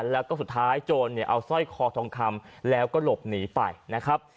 แล้วก็สุดท้ายโจรเนี่ยเอาสร้อยคอทองคำแล้วก็หลบหนีไปนะครับ